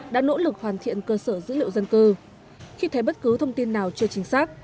đã nỗ lực hoàn thiện cơ sở dữ liệu dân cư khi thấy bất cứ thông tin nào chưa chính xác